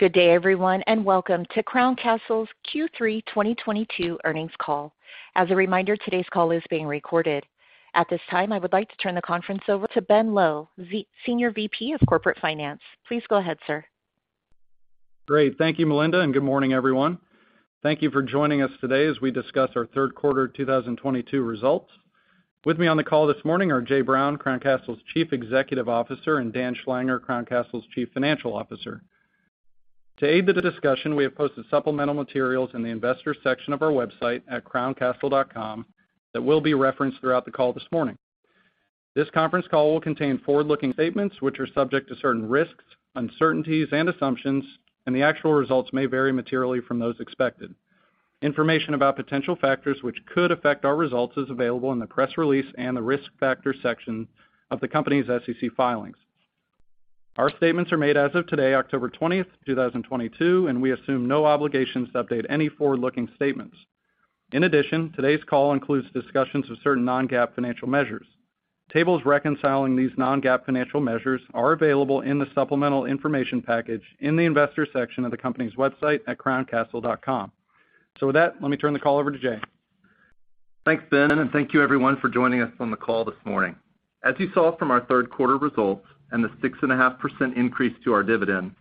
Good day, everyone, and welcome to Crown Castle's Q3 2022 earnings call. As a reminder, today's call is being recorded. At this time, I would like to turn the conference over to Ben Lowe, Senior VP of Corporate Finance. Please go ahead, sir. Great. Thank you, Melinda, and good morning, everyone. Thank you for joining us today as we discuss our third quarter 2022 results. With me on the call this morning are Jay Brown, Crown Castle's Chief Executive Officer, and Daniel Schlanger, Crown Castle's Chief Financial Officer. To aid the discussion, we have posted supplemental materials in the investors section of our website at crowncastle.com that will be referenced throughout the call this morning. This conference call will contain forward-looking statements, which are subject to certain risks, uncertainties and assumptions, and the actual results may vary materially from those expected. Information about potential factors which could affect our results is available in the press release and the Risk Factor section of the company's SEC filings. Our statements are made as of today, October 20th, 2022, and we assume no obligations to update any forward-looking statements. In addition, today's call includes discussions of certain Non-GAAP financial measures. Tables reconciling these Non-GAAP financial measures are available in the supplemental information package in the Investors section of the company's website at crowncastle.com. With that, let me turn the call over to Jay. Thanks, Ben, and thank you everyone for joining us on the call this morning. As you saw from our third quarter results and the 6.5% increase to our dividend,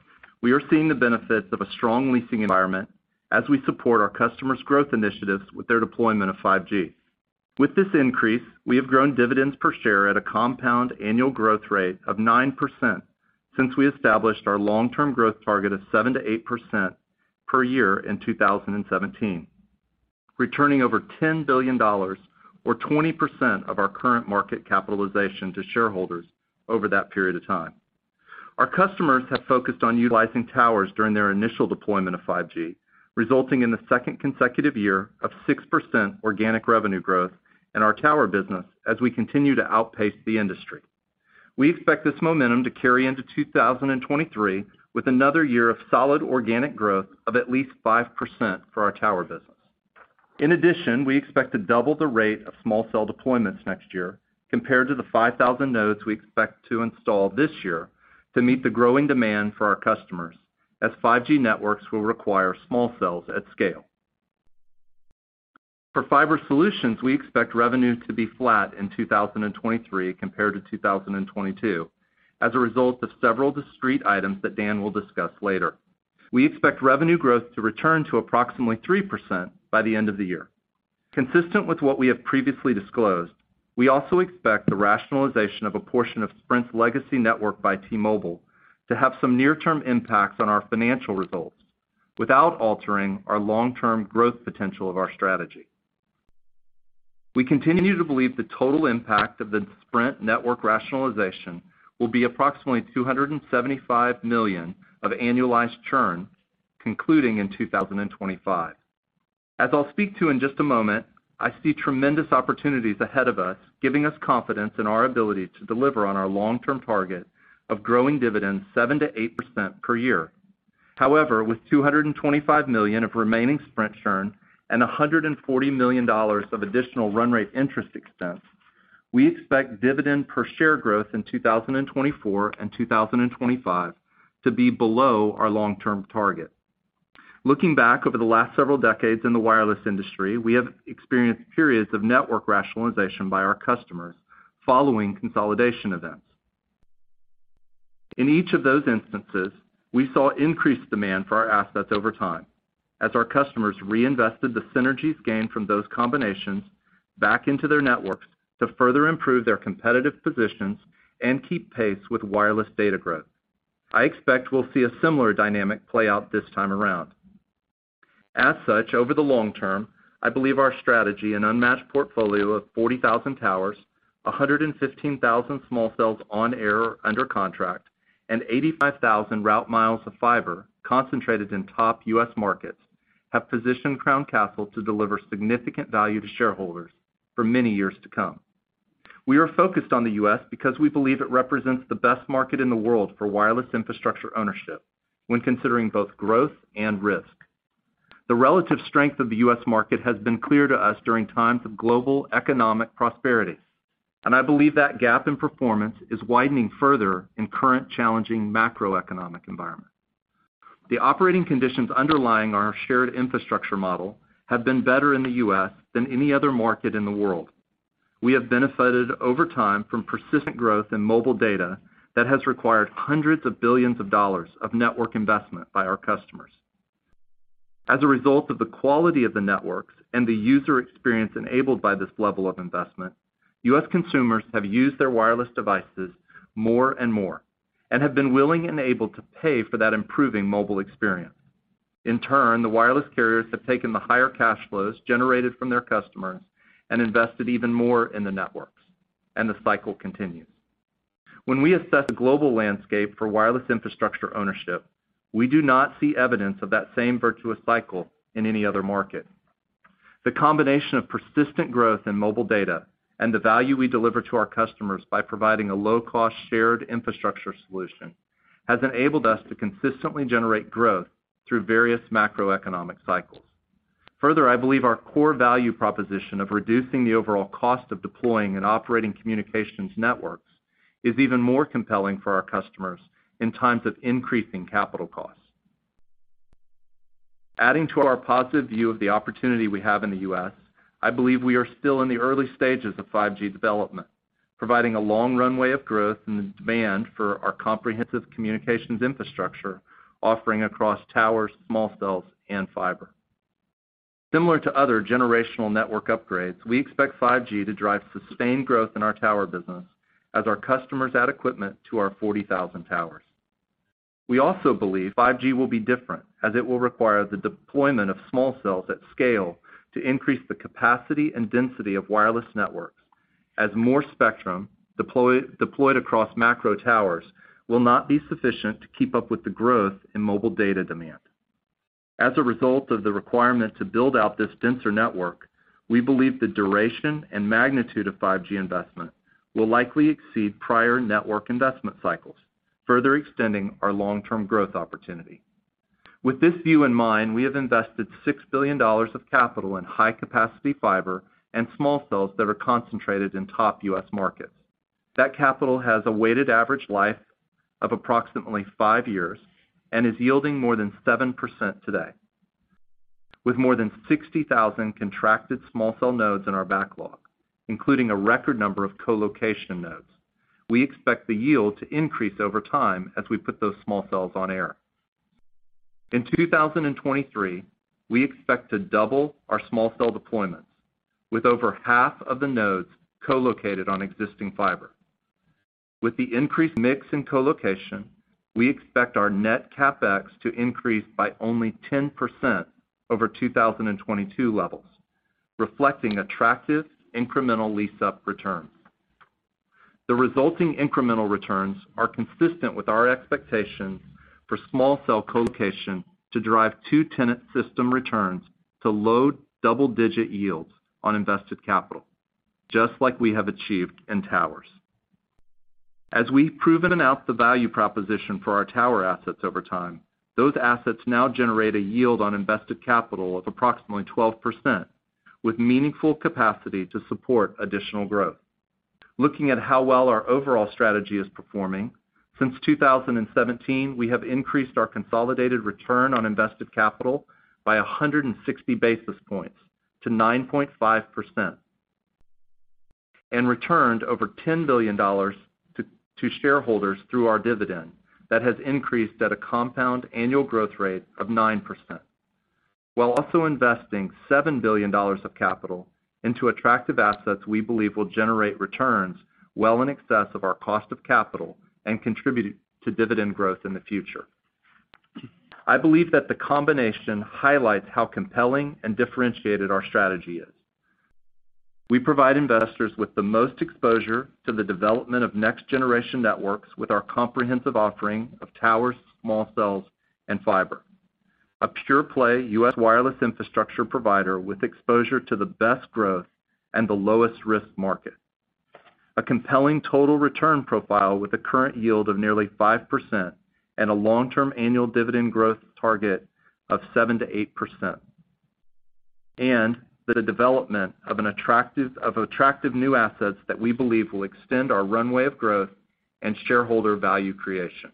we are seeing the benefits of a strong leasing environment as we support our customers' growth initiatives with their deployment of 5G. With this increase, we have grown dividends per share at a compound annual growth rate of 9% since we established our long-term growth target of 7%-8% per year in 2017, returning over $10 billion or 20% of our current market capitalization to shareholders over that period of time. Our customers have focused on utilizing towers during their initial deployment of 5G, resulting in the second consecutive year of 6% organic revenue growth in our tower business as we continue to outpace the industry. We expect this momentum to carry into 2023 with another year of solid organic growth of at least 5% for our tower business. In addition, we expect to double the rate of small cell deployments next year compared to the 5,000 nodes we expect to install this year to meet the growing demand for our customers as 5G networks will require small cells at scale. For fiber solutions, we expect revenue to be flat in 2023 compared to 2022 as a result of several discrete items that Dan will discuss later. We expect revenue growth to return to approximately 3% by the end of the year. Consistent with what we have previously disclosed, we also expect the rationalization of a portion of Sprint's legacy network by T-Mobile to have some near-term impacts on our financial results without altering our long-term growth potential of our strategy. We continue to believe the total impact of the Sprint network rationalization will be approximately $275 million of annualized churn concluding in 2025. As I'll speak to in just a moment, I see tremendous opportunities ahead of us, giving us confidence in our ability to deliver on our long-term target of growing dividends 7%-8% per year. However, with $225 million of remaining Sprint churn and $140 million of additional run rate interest expense, we expect dividend per share growth in 2024 and 2025 to be below our long-term target. Looking back over the last several decades in the wireless industry, we have experienced periods of network rationalization by our customers following consolidation events. In each of those instances, we saw increased demand for our assets over time as our customers reinvested the synergies gained from those combinations back into their networks to further improve their competitive positions and keep pace with wireless data growth. I expect we'll see a similar dynamic play out this time around. As such, over the long term, I believe our strategy and unmatched portfolio of 40,000 towers, 115,000 small cells on air or under contract, and 85,000 route miles of fiber concentrated in top U.S. markets have positioned Crown Castle to deliver significant value to shareholders for many years to come. We are focused on the U.S. because we believe it represents the best market in the world for wireless infrastructure ownership when considering both growth and risk. The relative strength of the U.S. market has been clear to us during times of global economic prosperity, and I believe that gap in performance is widening further in current challenging macroeconomic environment. The operating conditions underlying our shared infrastructure model have been better in the U.S. than any other market in the world. We have benefited over time from persistent growth in mobile data that has required hundreds of billions of dollars of network investment by our customers. As a result of the quality of the networks and the user experience enabled by this level of investment, U.S. consumers have used their wireless devices more and more and have been willing and able to pay for that improving mobile experience. In turn, the wireless carriers have taken the higher cash flows generated from their customers and invested even more in the networks, and the cycle continues. When we assess the global landscape for wireless infrastructure ownership, we do not see evidence of that same virtuous cycle in any other market. The combination of persistent growth in mobile data and the value we deliver to our customers by providing a low-cost shared infrastructure solution has enabled us to consistently generate growth through various macroeconomic cycles. Further, I believe our core value proposition of reducing the overall cost of deploying and operating communications networks is even more compelling for our customers in times of increasing capital costs. Adding to our positive view of the opportunity we have in the U.S., I believe we are still in the early stages of 5G development, providing a long runway of growth and the demand for our comprehensive communications infrastructure offering across towers, small cells, and fiber. Similar to other generational network upgrades, we expect 5G to drive sustained growth in our tower business as our customers add equipment to our 40,000 towers. We also believe 5G will be different as it will require the deployment of small cells at scale to increase the capacity and density of wireless networks, as more spectrum deployed across macro towers will not be sufficient to keep up with the growth in mobile data demand. As a result of the requirement to build out this denser network, we believe the duration and magnitude of 5G investment will likely exceed prior network investment cycles, further extending our long-term growth opportunity. With this view in mind, we have invested $6 billion of capital in high-capacity fiber and small cells that are concentrated in top U.S. markets. That capital has a weighted average life of approximately five years and is yielding more than 7% today. With more than 60,000 contracted small cell nodes in our backlog, including a record number of co-location nodes, we expect the yield to increase over time as we put those small cells on air. In 2023, we expect to double our small cell deployments, with over half of the nodes co-located on existing fiber. With the increased mix in co-location, we expect our net CapEx to increase by only 10% over 2022 levels, reflecting attractive incremental lease-up returns. The resulting incremental returns are consistent with our expectations for small cell co-location to drive 2-tenant system returns to low double-digit yields on invested capital, just like we have achieved in towers. As we've proven out the value proposition for our tower assets over time, those assets now generate a yield on invested capital of approximately 12% with meaningful capacity to support additional growth. Looking at how well our overall strategy is performing, since 2017, we have increased our consolidated return on invested capital by 160 basis points to 9.5% and returned over $10 billion to shareholders through our dividend that has increased at a compound annual growth rate of 9%, while also investing $7 billion of capital into attractive assets we believe will generate returns well in excess of our cost of capital and contribute to dividend growth in the future. I believe that the combination highlights how compelling and differentiated our strategy is. We provide investors with the most exposure to the development of next-generation networks with our comprehensive offering of towers, small cells, and fiber. A pure play U.S. wireless infrastructure provider with exposure to the best growth and the lowest risk market. A compelling total return profile with a current yield of nearly 5% and a long-term annual dividend growth target of 7%-8%, and the development of attractive new assets that we believe will extend our runway of growth and shareholder value creation.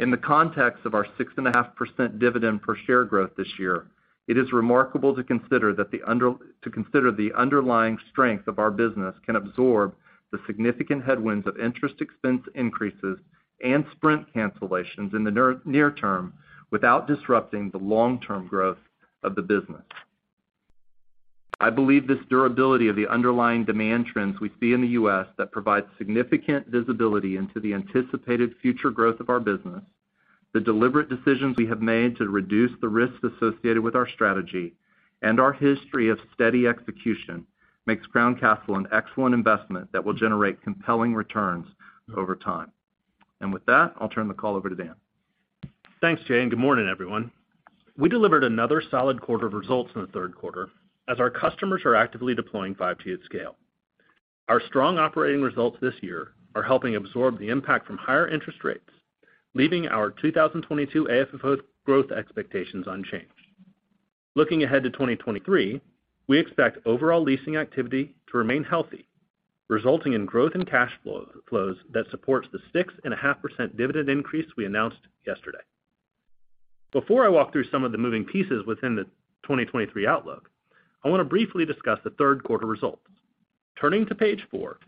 In the context of our 6.5% dividend per share growth this year, it is remarkable to consider that to consider the underlying strength of our business can absorb the significant headwinds of interest expense increases and Sprint cancellations in the near term without disrupting the long-term growth of the business. I believe this durability of the underlying demand trends we see in the U.S. that provides significant visibility into the anticipated future growth of our business, the deliberate decisions we have made to reduce the risks associated with our strategy, and our history of steady execution makes Crown Castle an excellent investment that will generate compelling returns over time. With that, I'll turn the call over to Dan. Thanks, Jay, and good morning, everyone. We delivered another solid quarter of results in the third quarter as our customers are actively deploying 5G at scale. Our strong operating results this year are helping absorb the impact from higher interest rates, leaving our 2022 AFFO growth expectations unchanged. Looking ahead to 2023, we expect overall leasing activity to remain healthy, resulting in growth in cash flows that supports the 6.5% dividend increase we announced yesterday. Before I walk through some of the moving pieces within the 2023 outlook, I wanna briefly discuss the third quarter results. Turning to page four,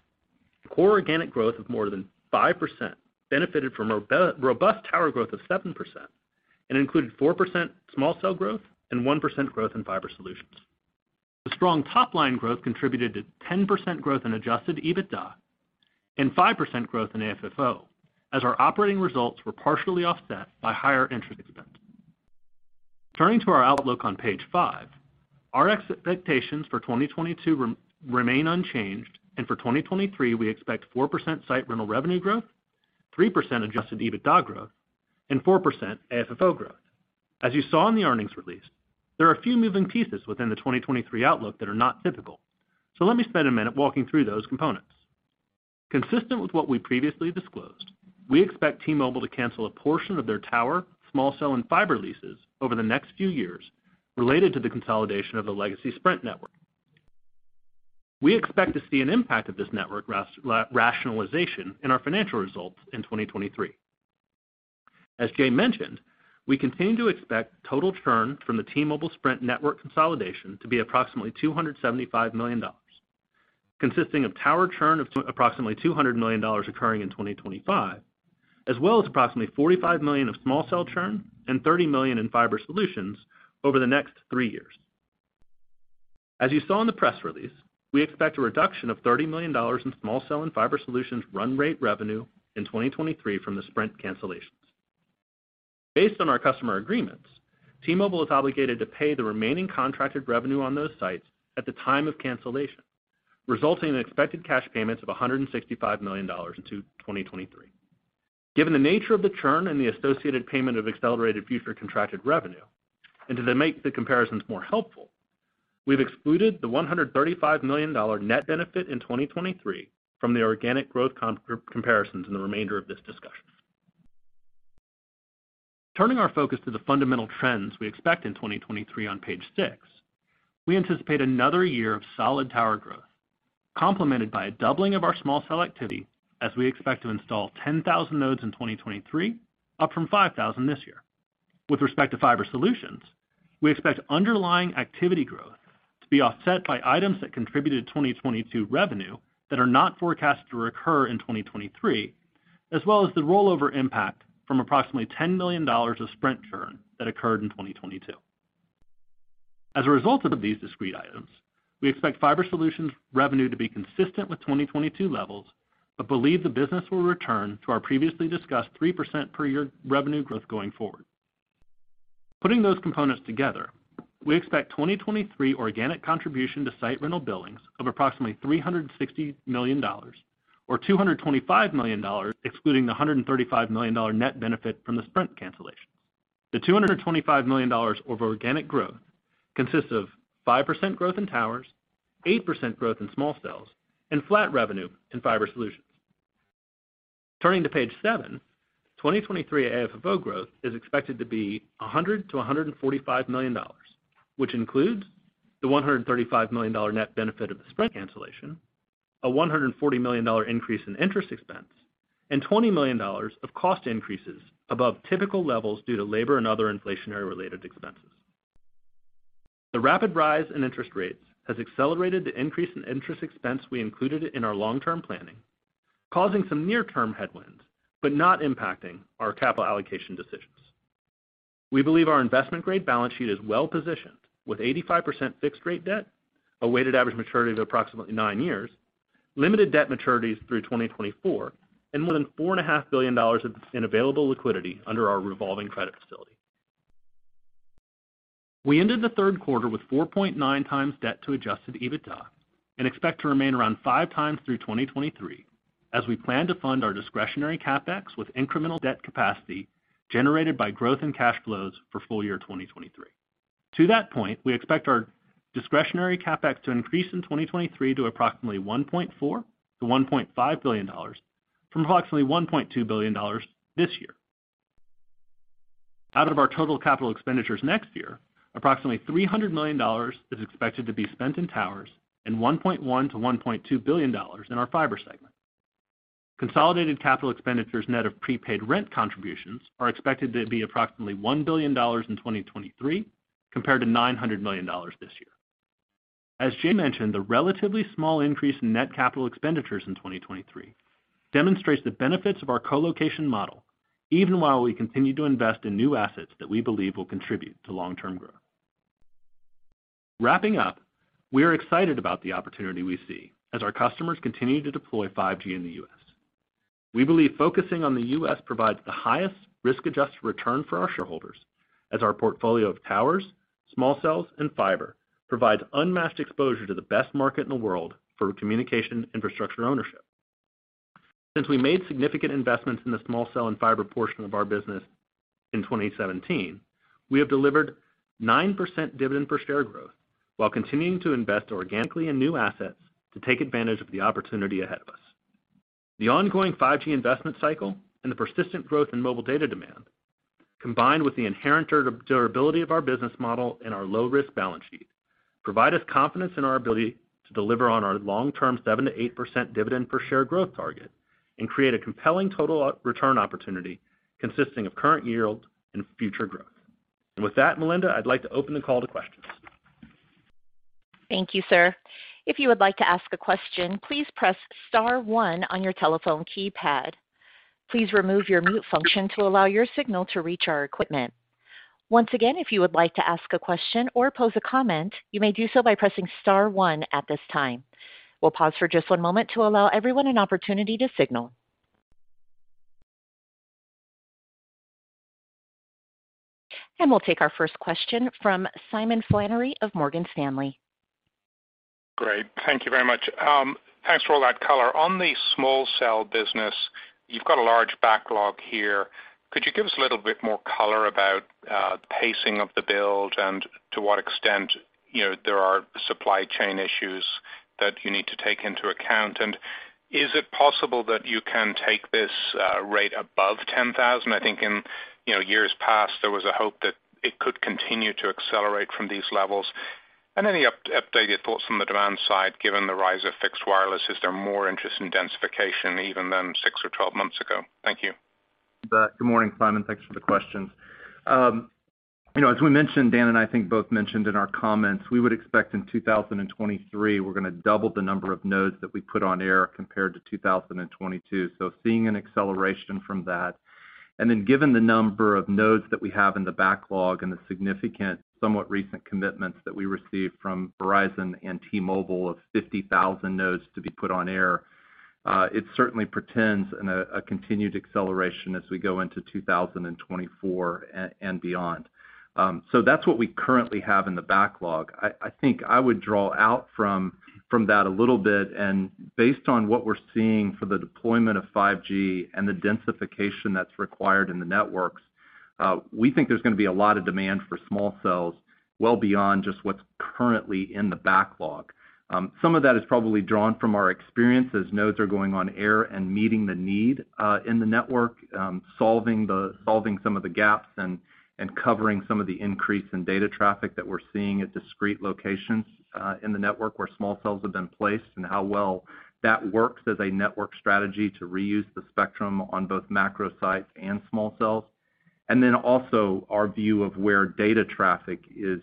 core organic growth of more than 5% benefited from robust tower growth of 7% and included 4% small cell growth and 1% growth in fiber solutions. The strong top-line growth contributed to 10% growth in adjusted EBITDA and 5% growth in AFFO as our operating results were partially offset by higher interest expense. Turning to our outlook on page five, our expectations for 2022 remain unchanged, and for 2023, we expect 4% site rental revenue growth, 3% adjusted EBITDA growth, and 4% AFFO growth. As you saw in the earnings release, there are a few moving pieces within the 2023 outlook that are not typical. Let me spend a minute walking through those components. Consistent with what we previously disclosed, we expect T-Mobile to cancel a portion of their tower, small cell, and fiber leases over the next few years related to the consolidation of the legacy Sprint network. We expect to see an impact of this network rationalization in our financial results in 2023. As Jay mentioned, we continue to expect total churn from the T-Mobile Sprint network consolidation to be approximately $275 million, consisting of tower churn of approximately $200 million occurring in 2025, as well as approximately $45 million of small cell churn and $30 million in fiber solutions over the next three years. As you saw in the press release, we expect a reduction of $30 million in small cell and fiber solutions run rate revenue in 2023 from the Sprint cancellations. Based on our customer agreements, T-Mobile is obligated to pay the remaining contracted revenue on those sites at the time of cancellation, resulting in expected cash payments of $165 million into 2023. Given the nature of the churn and the associated payment of accelerated future contracted revenue, and to make the comparisons more helpful, we've excluded the $135 million net benefit in 2023 from the organic growth comparisons in the remainder of this discussion. Turning our focus to the fundamental trends we expect in 2023 on page 6, we anticipate another year of solid tower growth, complemented by a doubling of our small cell activity as we expect to install 10,000 nodes in 2023, up from 5,000 this year. With respect to fiber solutions, we expect underlying activity growth to be offset by items that contributed to 2022 revenue that are not forecasted to recur in 2023, as well as the rollover impact from approximately $10 million of Sprint churn that occurred in 2022. As a result of these discrete items, we expect fiber solutions revenue to be consistent with 2022 levels, but believe the business will return to our previously discussed 3% per year revenue growth going forward. Putting those components together, we expect 2023 organic contribution to site rental billings of approximately $360 million or $225 million, excluding the $135 million net benefit from the Sprint cancellations. The $225 million of organic growth consists of 5% growth in towers, 8% growth in small cells, and flat revenue in fiber solutions. Turning to page seven, 2023 AFFO growth is expected to be $100 million-$145 million, which includes the $135 million net benefit of the Sprint cancellation, a $140 million increase in interest expense, and $20 million of cost increases above typical levels due to labor and other inflationary-related expenses. The rapid rise in interest rates has accelerated the increase in interest expense we included in our long-term planning, causing some near-term headwinds, but not impacting our capital allocation decisions. We believe our investment-grade balance sheet is well positioned with 85% fixed rate debt, a weighted average maturity of approximately 9 years, limited debt maturities through 2024, and more than $4.5 billion in available liquidity under our revolving credit facility. We ended the third quarter with 4.9x debt to adjusted EBITDA and expect to remain around 5x through 2023 as we plan to fund our discretionary CapEx with incremental debt capacity generated by growth in cash flows for full year 2023. To that point, we expect our discretionary CapEx to increase in 2023 to approximately $1.4 billion-$1.5 billion from approximately $1.2 billion this year. Out of our total capital expenditures next year, approximately $300 million is expected to be spent in towers and $1.1 billion-$1.2 billion in our fiber segment. Consolidated capital expenditures net of prepaid rent contributions are expected to be approximately $1 billion in 2023 compared to $900 million this year. As Jay mentioned, the relatively small increase in net capital expenditures in 2023 demonstrates the benefits of our colocation model even while we continue to invest in new assets that we believe will contribute to long-term growth. Wrapping up, we are excited about the opportunity we see as our customers continue to deploy 5G in the U.S. We believe focusing on the U.S. provides the highest risk-adjusted return for our shareholders as our portfolio of towers, small cells, and fiber provides unmatched exposure to the best market in the world for communication infrastructure ownership. Since we made significant investments in the small cell and fiber portion of our business in 2017, we have delivered 9% dividend per share growth while continuing to invest organically in new assets to take advantage of the opportunity ahead of us. The ongoing 5G investment cycle and the persistent growth in mobile data demand, combined with the inherent durability of our business model and our low-risk balance sheet, provide us confidence in our ability to deliver on our long-term 7%-8% dividend per share growth target and create a compelling total return opportunity consisting of current yield and future growth. With that, Melinda, I'd like to open the call to questions. Thank you, sir. If you would like to ask a question, please press star one on your telephone keypad. Please remove your mute function to allow your signal to reach our equipment. Once again, if you would like to ask a question or pose a comment, you may do so by pressing star one at this time. We'll pause for just one moment to allow everyone an opportunity to signal. We'll take our first question from Simon Flannery of Morgan Stanley. Great. Thank you very much. Thanks for all that color. On the small cells business. You've got a large backlog here. Could you give us a little bit more color about the pacing of the build and to what extent, you know, there are supply chain issues that you need to take into account? Is it possible that you can take this rate above 10,000? I think in, you know, years past, there was a hope that it could continue to accelerate from these levels. Any updated thoughts from the demand side, given the rise of fixed wireless, is there more interest in densification even than six or 12-months ago? Thank you. Good morning, Simon. Thanks for the questions. You know, as we mentioned, Dan and I think both mentioned in our comments, we would expect in 2023, we're gonna double the number of nodes that we put on air compared to 2022. Seeing an acceleration from that. Given the number of nodes that we have in the backlog and the significant somewhat recent commitments that we received from Verizon and T-Mobile of 50,000 nodes to be put on air, it certainly portends a continued acceleration as we go into 2024 and beyond. That's what we currently have in the backlog. I think I would draw out from that a little bit, and based on what we're seeing for the deployment of 5G and the densification that's required in the networks, we think there's gonna be a lot of demand for small cells well beyond just what's currently in the backlog. Some of that is probably drawn from our experience as nodes are going on air and meeting the need in the network, solving some of the gaps and covering some of the increase in data traffic that we're seeing at discrete locations in the network where small cells have been placed and how well that works as a network strategy to reuse the spectrum on both macro sites and small cells. Then also our view of where data traffic is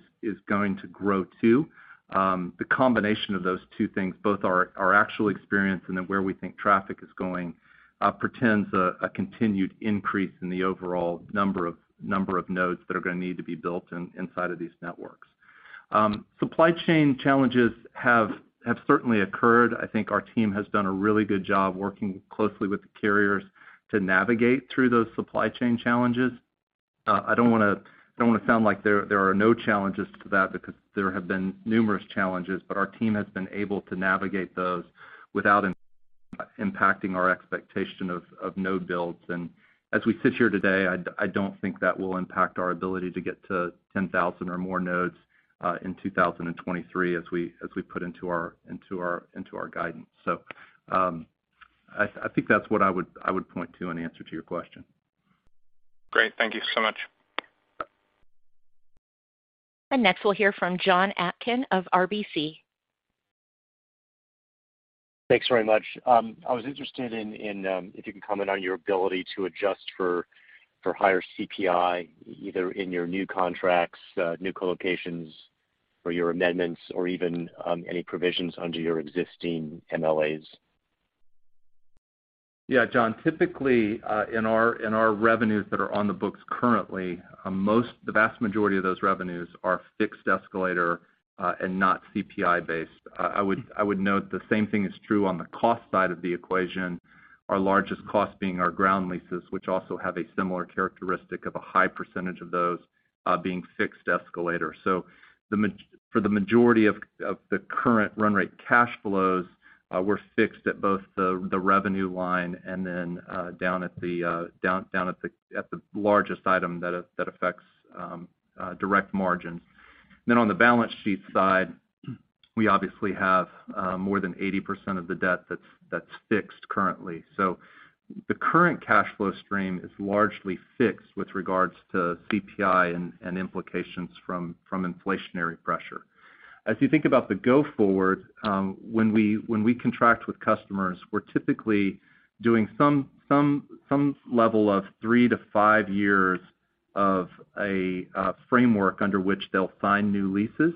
going to grow, too. The combination of those two things, both our actual experience and then where we think traffic is going, portends a continued increase in the overall number of nodes that are gonna need to be built inside of these networks. Supply chain challenges have certainly occurred. I think our team has done a really good job working closely with the carriers to navigate through those supply chain challenges. I don't wanna sound like there are no challenges to that because there have been numerous challenges, but our team has been able to navigate those without impacting our expectation of node builds. As we sit here today, I don't think that will impact our ability to get to 10,000 or more nodes in 2023 as we put into our guidance. I think that's what I would point to in answer to your question. Great. Thank you so much. Next, we'll hear from Jonathan Atkin of RBC. Thanks very much. I was interested in if you can comment on your ability to adjust for higher CPI, either in your new contracts, new co-locations or your amendments or even any provisions under your existing MLAs. Yeah, Jonathan Atkin. Typically, in our revenues that are on the books currently, the vast majority of those revenues are fixed escalator and not CPI-based. I would note the same thing is true on the cost side of the equation, our largest cost being our ground leases, which also have a similar characteristic of a high percentage of those being fixed escalator. For the majority of the current run rate cash flows, we're fixed at both the revenue line and then down at the largest item that affects direct margins. On the balance sheet side, we obviously have more than 80% of the debt that's fixed currently. The current cash flow stream is largely fixed with regards to CPI and implications from inflationary pressure. As you think about the go forward, when we contract with customers, we're typically doing some level of 3 years-5 years of a framework under which they'll sign new leases.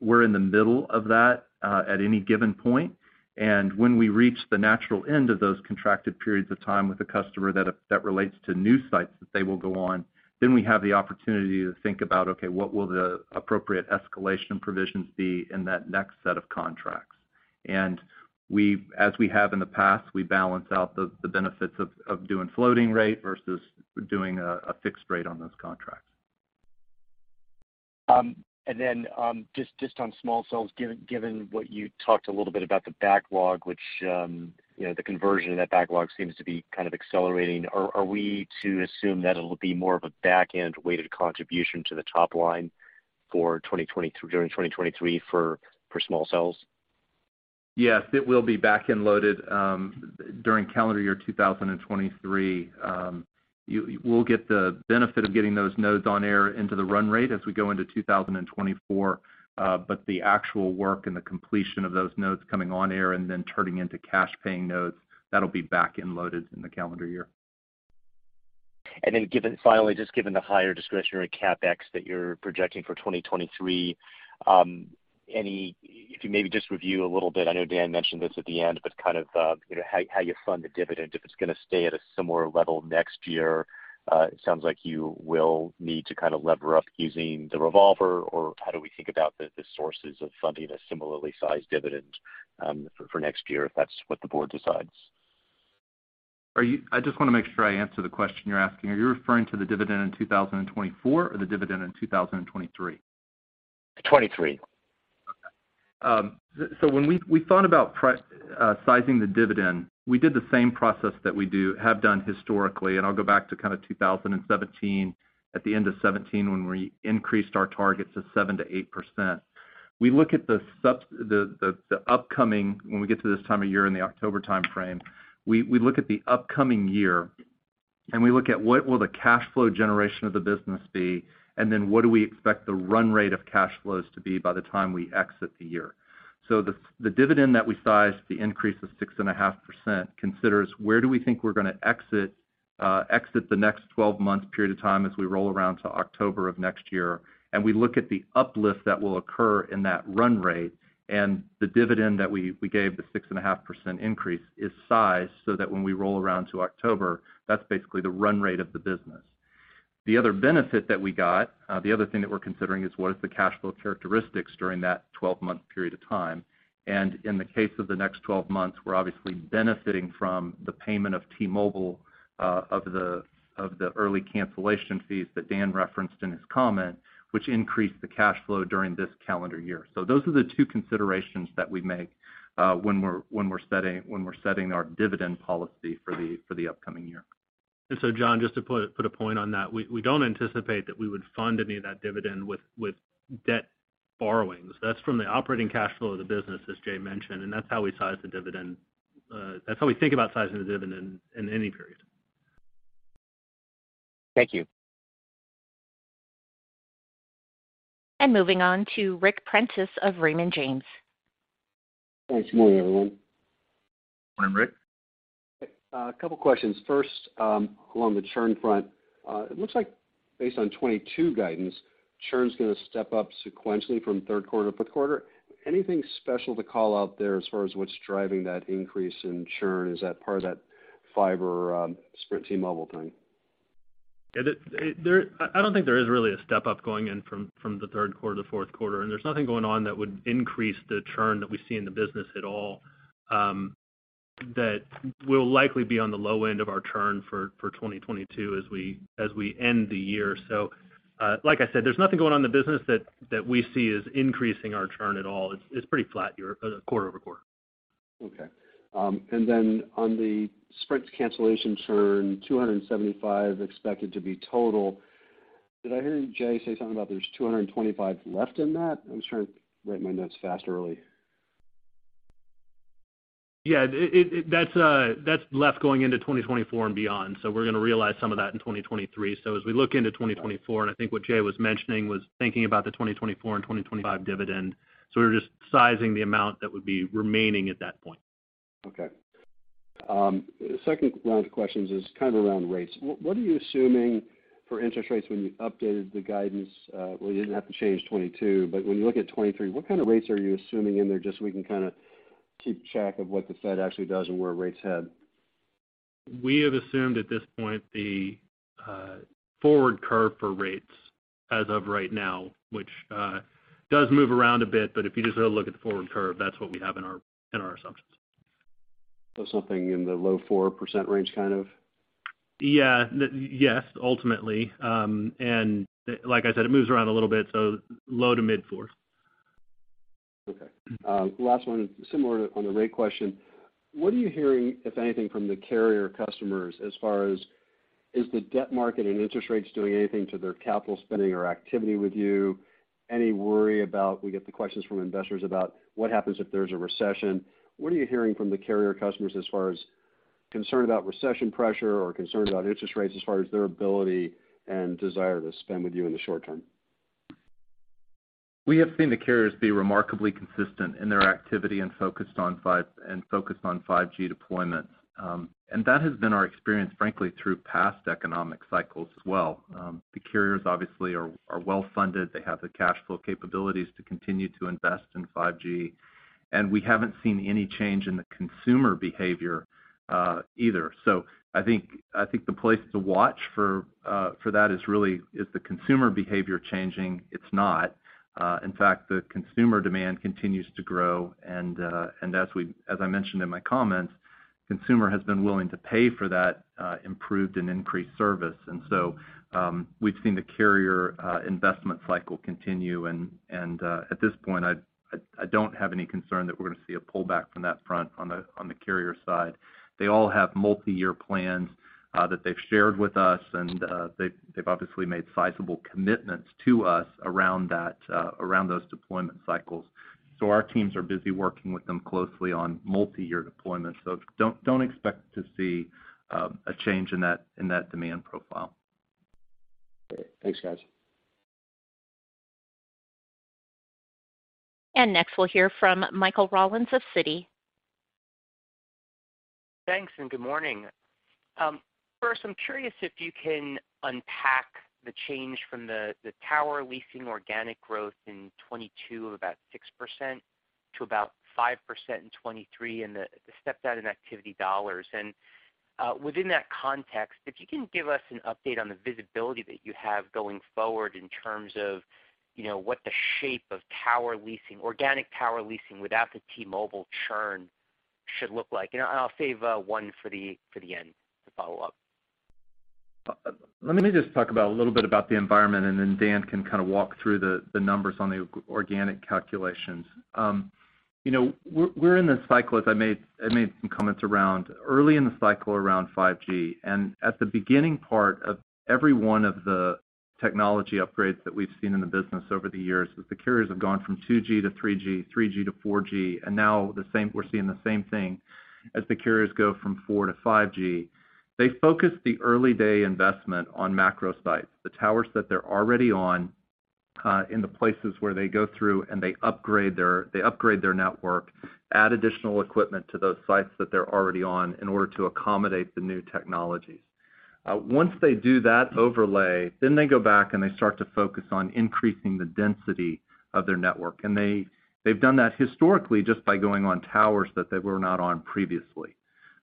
We're in the middle of that at any given point. When we reach the natural end of those contracted periods of time with a customer that relates to new sites that they will go on, then we have the opportunity to think about, okay, what will the appropriate escalation provisions be in that next set of contracts. We, as we have in the past, balance out the benefits of doing floating rate versus doing a fixed rate on those contracts. Just on small cells, given what you talked a little bit about the backlog, which, you know, the conversion of that backlog seems to be kind of accelerating. Are we to assume that it'll be more of a back-end-weighted contribution to the top line during 2023 for small cells? Yes, it will be back-end loaded during calendar year 2023. We'll get the benefit of getting those nodes on air into the run rate as we go into 2024, but the actual work and the completion of those nodes coming on air and then turning into cash paying nodes, that'll be back-end loaded in the calendar year. Given the higher discretionary CapEx that you're projecting for 2023, if you maybe just review a little bit, I know Dan mentioned this at the end, but kind of, you know, how you fund the dividend, if it's gonna stay at a similar level next year. It sounds like you will need to kind of lever up using the revolver, or how do we think about the sources of funding a similarly sized dividend, for next year, if that's what the board decides? I just wanna make sure I answer the question you're asking. Are you referring to the dividend in 2024 or the dividend in 2023? Twenty-three. When we thought about sizing the dividend, we did the same process that we have done historically, and I'll go back to kind of 2017, at the end of 2017 when we increased our targets to 7%-8%. When we get to this time of year in the October timeframe, we look at the upcoming year, and we look at what will the cash flow generation of the business be, and then what do we expect the run rate of cash flows to be by the time we exit the year. The dividend that we sized, the increase of 6.5% considers where we think we're gonna exit the next 12-month period of time as we roll around to October of next year. We look at the uplift that will occur in that run rate and the dividend that we gave, the 6.5% increase, is sized so that when we roll around to October, that's basically the run rate of the business. The other benefit that we got, the other thing that we're considering is what is the cash flow characteristics during that 12-month period of time. In the case of the next 12 months, we're obviously benefiting from the payment from T-Mobile of the early cancellation fees that Dan referenced in his comment, which increased the cash flow during this calendar year. Those are the two considerations that we make when we're setting our dividend policy for the upcoming year. Jonathan, just to put a point on that, we don't anticipate that we would fund any of that dividend with debt borrowings. That's from the operating cash flow of the business, as Jay mentioned, and that's how we size the dividend. That's how we think about sizing the dividend in any period. Thank you. Moving on to Ric Prentiss of Raymond James. Good morning, everyone. Morning, Ric. A couple questions. First, along the churn front. It looks like based on 2022 guidance, churn's gonna step up sequentially from third quarter to fourth quarter. Anything special to call out there as far as what's driving that increase in churn? Is that part of that fiber, Sprint T-Mobile thing? Yeah, I don't think there is really a step-up going in from the third quarter to fourth quarter, and there's nothing going on that would increase the churn that we see in the business at all, that we'll likely be on the low end of our churn for 2022 as we end the year. Like I said, there's nothing going on in the business that we see as increasing our churn at all. It's pretty flat, quarter-over-quarter. Okay. On the Sprint cancellation churn, 275 expected to be total. Did I hear Jay say something about there's 225 left in that? I'm just trying to write my notes fast early. Yeah. That's left going into 2024 and beyond, so we're gonna realize some of that in 2023. As we look into 2024, and I think what Jay was mentioning was thinking about the 2024 and 2025 dividend, so we're just sizing the amount that would be remaining at that point. Okay. Second round of questions is kind of around rates. What are you assuming for interest rates when you updated the guidance? Well, you didn't have to change 2022, but when you look at 2023, what kind of rates are you assuming in there, just so we can kinda keep track of what the Fed actually does and where rates head? We have assumed at this point the forward curve for rates as of right now, which does move around a bit, but if you just look at the forward curve, that's what we have in our assumptions. Something in the low 4% range kind of? Yeah. Yes, ultimately. Like I said, it moves around a little bit, so low- to mid-4. Okay. Last one is similar on the rate question. What are you hearing, if anything, from the carrier customers as far as is the debt market and interest rates doing anything to their capital spending or activity with you? Any worry about, we get the questions from investors about what happens if there's a recession. What are you hearing from the carrier customers as far as concern about recession pressure or concern about interest rates as far as their ability and desire to spend with you in the short term? We have seen the carriers be remarkably consistent in their activity and focused on 5G deployment. That has been our experience, frankly, through past economic cycles as well. The carriers obviously are well-funded. They have the cash flow capabilities to continue to invest in 5G, and we haven't seen any change in the consumer behavior, either. I think the place to watch for that is the consumer behavior changing? It's not. In fact, the consumer demand continues to grow, and as I mentioned in my comments, consumer has been willing to pay for that improved and increased service. We've seen the carrier investment cycle continue, and at this point, I don't have any concern that we're gonna see a pullback from that front on the carrier side. They all have multi-year plans that they've shared with us, and they've obviously made sizable commitments to us around those deployment cycles. Don't expect to see a change in that demand profile. Great. Thanks, guys. Next we'll hear from Michael Rollins of Citi. Thanks, and good morning. First, I'm curious if you can unpack the change from the tower leasing organic growth in 2022 of about 6% to about 5% in 2023 and the step down in activity dollars. Within that context, if you can give us an update on the visibility that you have going forward in terms of, you know, what the shape of tower leasing, organic tower leasing without the T-Mobile churn should look like. I'll save one for the end to follow up. Let me just talk about a little bit about the environment, and then Dan can kind of walk through the numbers on the organic calculations. You know, we're in this cycle, as I made some comments around early in the cycle around 5G. At the beginning part of every one of the technology upgrades that we've seen in the business over the years, as the carriers have gone from 2G-3G, 3G-4G, and now the same, we're seeing the same thing as the carriers go from 4G-5G. They focus the early-day investment on macro sites, the towers that they're already on, in the places where they go through, and they upgrade their network, add additional equipment to those sites that they're already on in order to accommodate the new technologies. Once they do that overlay, then they go back, and they start to focus on increasing the density of their network. They've done that historically just by going on towers that they were not on previously.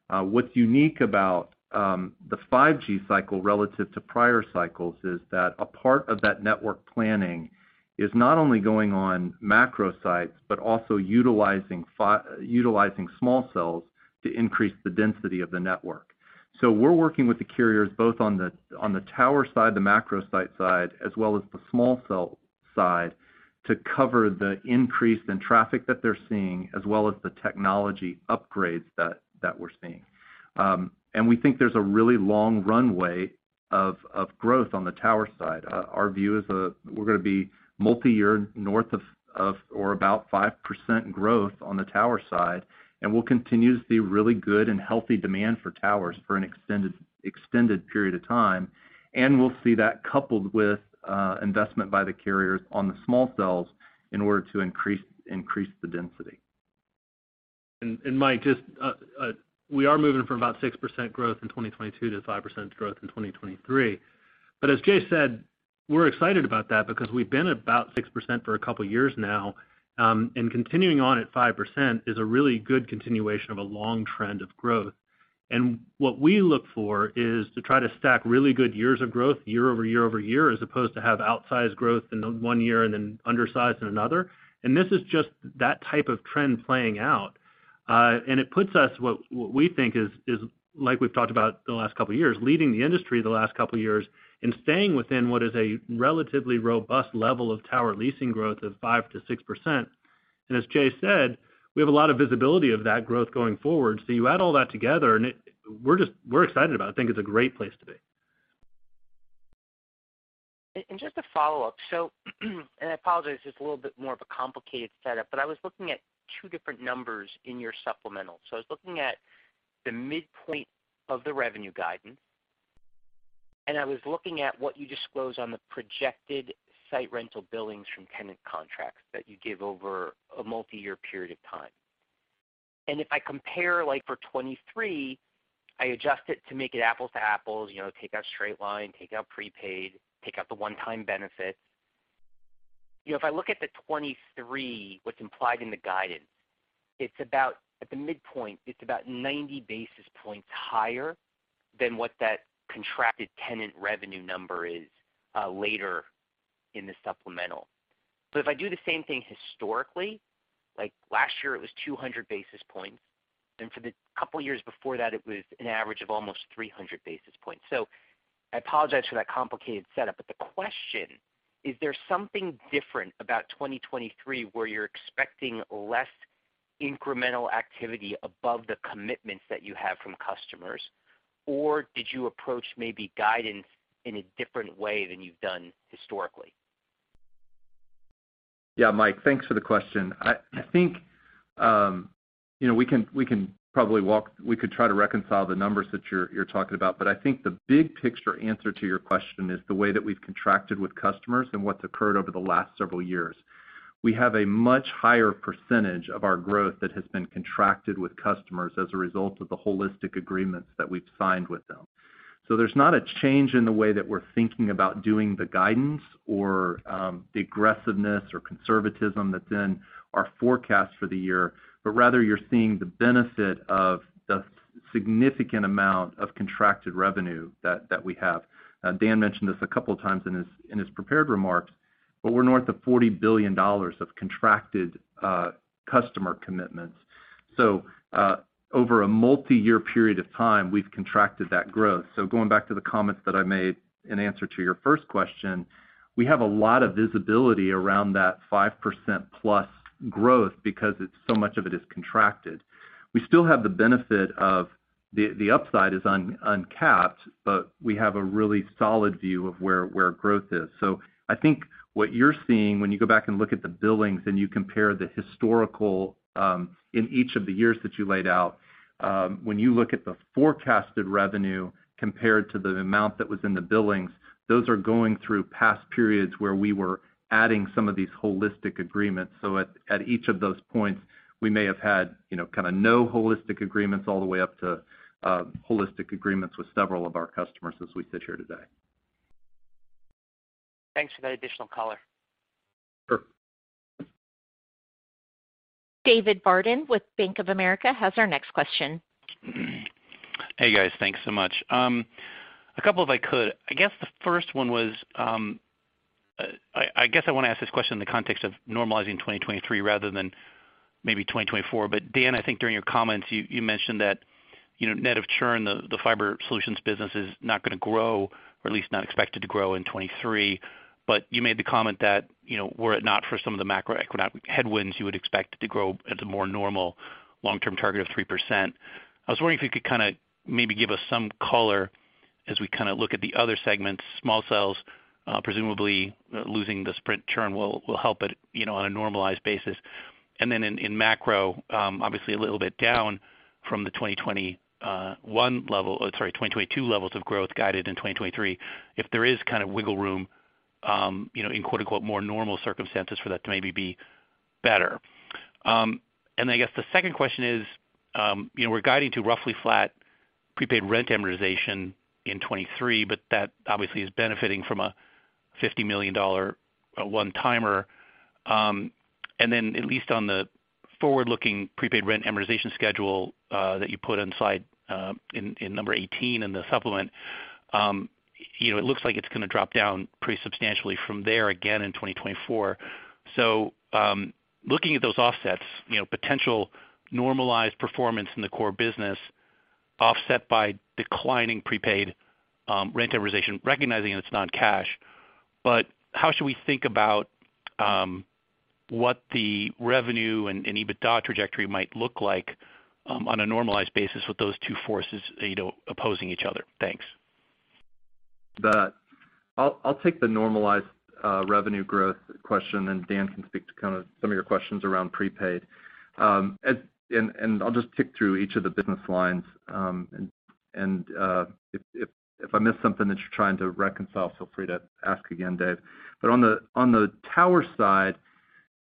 What's unique about the 5G cycle relative to prior cycles is that a part of that network planning is not only going on macro sites but also utilizing small cells to increase the density of the network. We're working with the carriers both on the tower side, the macro site side, as well as the small cell side to cover the increase in traffic that they're seeing as well as the technology upgrades that we're seeing. We think there's a really long runway of growth on the tower side. Our view is, we're gonna be multiyear north of, or about 5% growth on the tower side, and we'll continue to see really good and healthy demand for towers for an extended period of time. We'll see that coupled with, investment by the carriers on the small cells in order to increase the density. Mike, we are moving from about 6% growth in 2022 to 5% growth in 2023. As Jay said, we're excited about that because we've been about 6% for a couple years now, and continuing on at 5% is a really good continuation of a long trend of growth. What we look for is to try to stack really good years of growth year-over-year, as opposed to have outsized growth in the one year and then undersized in another. This is just that type of trend playing out. It puts us what we think is like we've talked about the last couple of years, leading the industry the last couple of years and staying within what is a relatively robust level of tower leasing growth of 5%-6%. As Jay said, we have a lot of visibility of that growth going forward. You add all that together and it, we're just excited about it. I think it's a great place to be. Just a follow-up. I apologize, it's a little bit more of a complicated setup, but I was looking at two different numbers in your supplemental. I was looking at the midpoint of the revenue guidance, and I was looking at what you disclose on the projected site rental billings from tenant contracts that you give over a multiyear period of time. If I compare, like for 2023, I adjust it to make it apples to apples, you know, take out straight line, take out prepaid, take out the one-time benefits. If I look at the 2023, what's implied in the guidance, it's about at the midpoint, it's about 90 basis points higher than what that contracted tenant revenue number is, later in the supplemental. If I do the same thing historically, like last year it was 200 basis points, and for the couple of years before that, it was an average of almost 300 basis points. I apologize for that complicated setup. The question is there something different about 2023, where you're expecting less incremental activity above the commitments that you have from customers? Or did you approach maybe guidance in a different way than you've done historically? Yeah, Mike, thanks for the question. I think, you know, we could try to reconcile the numbers that you're talking about, but I think the big picture answer to your question is the way that we've contracted with customers and what's occurred over the last several years. We have a much higher percentage of our growth that has been contracted with customers as a result of the holistic agreements that we've signed with them. There's not a change in the way that we're thinking about doing the guidance or, the aggressiveness or conservatism that's in our forecast for the year. Rather, you're seeing the benefit of the significant amount of contracted revenue that we have. Dan mentioned this a couple of times in his prepared remarks, but we're north of $40 billion of contracted customer commitments. Over a multi-year period of time, we've contracted that growth. Going back to the comments that I made in answer to your first question, we have a lot of visibility around that 5%+ growth because it's so much of it is contracted. We still have the benefit of the upside is uncapped, but we have a really solid view of where growth is. I think what you're seeing when you go back and look at the billings and you compare the historical in each of the years that you laid out, when you look at the forecasted revenue compared to the amount that was in the billings, those are going through past periods where we were adding some of these holistic agreements. At each of those points, we may have had, you know, kind of no holistic agreements all the way up to holistic agreements with several of our customers as we sit here today. Thanks for that additional color. Sure. David Barden with Bank of America has our next question. Hey, guys. Thanks so much. A couple if I could. I guess the first one was, I guess I wanna ask this question in the context of normalizing 2023 rather than maybe 2024. Dan, I think during your comments, you mentioned that, you know, net of churn, the Fiber Solutions business is not gonna grow, or at least not expected to grow in 2023. You made the comment that, you know, were it not for some of the macroeconomic headwinds, you would expect it to grow at a more normal long-term target of 3%. I was wondering if you could kinda maybe give us some color as we kinda look at the other segments, small cells, presumably losing the Sprint churn will help it, you know, on a normalized basis. In macro, obviously a little bit down from the 2022 levels of growth guided in 2023, if there is kind of wiggle room, you know, in quote-unquote more normal circumstances for that to maybe be better. I guess the second question is, you know, we're guiding to roughly flat prepaid rent amortization in 2023, but that obviously is benefiting from a $50 million one-timer. At least on the forward-looking prepaid rent amortization schedule that you put inside in number 18 in the supplement, you know, it looks like it's gonna drop down pretty substantially from there again in 2024. Looking at those offsets, you know, potential normalized performance in the core business offset by declining prepaid rent amortization, recognizing that it's non-cash. How should we think about what the revenue and EBITDA trajectory might look like on a normalized basis with those two forces, you know, opposing each other? Thanks. I'll take the normalized revenue growth question, and Dan can speak to kinda some of your questions around prepaid. I'll just pick through each of the business lines, if I miss something that you're trying to reconcile, feel free to ask again, Dave. On the tower side,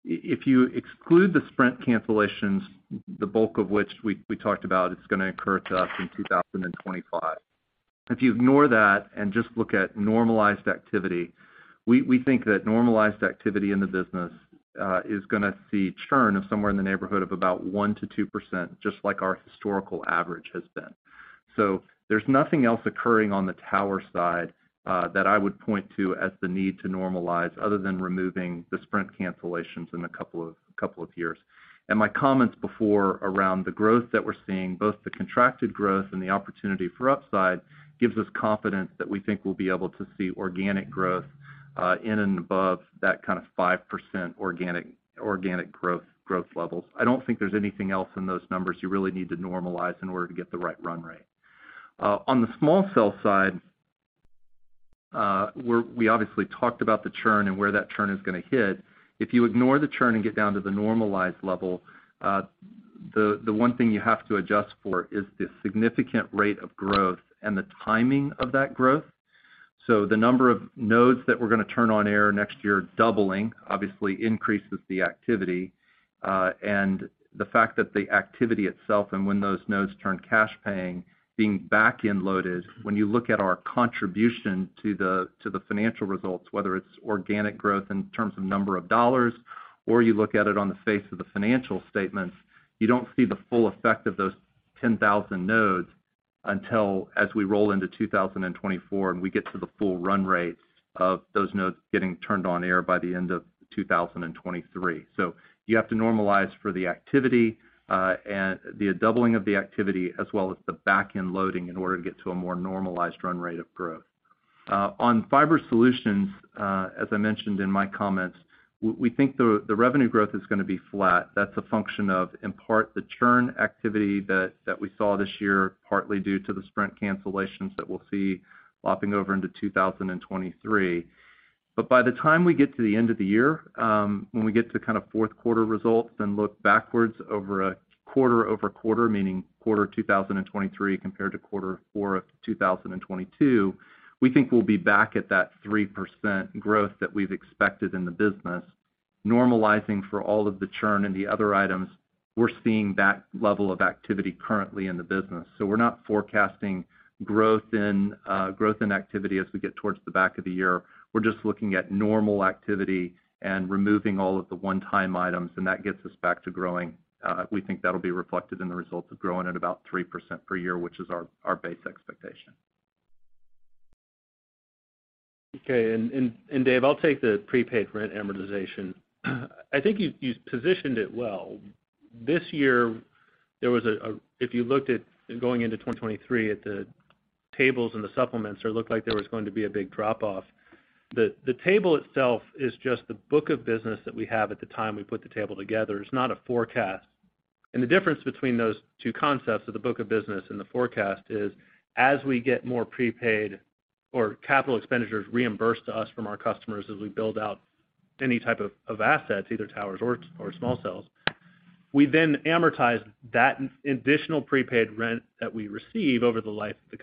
if you exclude the Sprint cancellations, the bulk of which we talked about, it's gonna occur to us in 2025. If you ignore that and just look at normalized activity, we think that normalized activity in the business is gonna see churn of somewhere in the neighborhood of about 1%-2%, just like our historical average has been. There's nothing else occurring on the tower side that I would point to as the need to normalize other than removing the Sprint cancellations in a couple of years. My comments before around the growth that we're seeing, both the contracted growth and the opportunity for upside, gives us confidence that we think we'll be able to see organic growth in and above that kind of 5% organic growth levels. I don't think there's anything else in those numbers you really need to normalize in order to get the right run rate. On the small cell side, we obviously talked about the churn and where that churn is gonna hit. If you ignore the churn and get down to the normalized level, the one thing you have to adjust for is the significant rate of growth and the timing of that growth. The number of nodes that we're gonna turn on air next year doubling obviously increases the activity, and the fact that the activity itself and when those nodes turn cash paying, being back-end loaded, when you look at our contribution to the financial results, whether it's organic growth in terms of number of dollars, or you look at it on the face of the financial statements, you don't see the full effect of those 10,000 nodes until as we roll into 2024 and we get to the full run rates of those nodes getting turned on air by the end of 2023. You have to normalize for the activity, and the doubling of the activity, as well as the back-end loading in order to get to a more normalized run rate of growth. On Fiber Solutions, as I mentioned in my comments, we think the revenue growth is gonna be flat. That's a function of, in part, the churn activity that we saw this year, partly due to the Sprint cancellations that we'll see lapping over into 2023. By the time we get to the end of the year, when we get to kind of fourth quarter results and look backwards over a quarter-over-quarter, meaning quarter 2023 compared to quarter four of 2022, we think we'll be back at that 3% growth that we've expected in the business. Normalizing for all of the churn and the other items, we're seeing that level of activity currently in the business. We're not forecasting growth in activity as we get towards the back of the year. We're just looking at normal activity and removing all of the one-time items, and that gets us back to growing. We think that'll be reflected in the results of growing at about 3% per year, which is our base expectation. Okay. David, I'll take the prepaid rent amortization. I think you positioned it well. This year, if you looked at going into 2023 at the tables and the supplements, it looked like there was going to be a big drop-off. The table itself is just the book of business that we have at the time we put the table together. It's not a forecast. The difference between those two concepts of the book of business and the forecast is as we get more prepaid or capital expenditures reimbursed to us from our customers as we build out any type of assets, either towers or small cells, we then amortize that additional prepaid rent that we receive over the life of the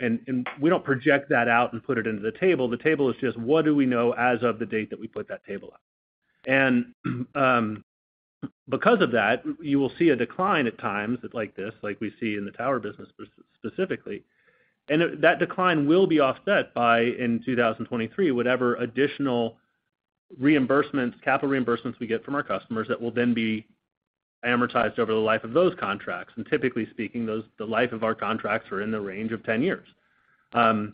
contract. We don't project that out and put it into the table. The table is just what we know as of the date that we put that table out. Because of that, you will see a decline at times like this, like we see in the tower business specifically. That decline will be offset by, in 2023, whatever additional reimbursements, capital reimbursements we get from our customers that will then be Amortized over the life of those contracts. Typically speaking, the life of our contracts are in the range of 10 years. That